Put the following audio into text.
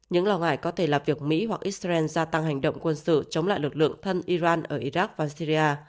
những lo ngại có thể là việc mỹ hoặc israel gia tăng hành động quân sự chống lại lực lượng thân iran ở iraq và syria